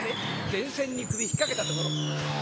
電線に首引っ掛けたところ」。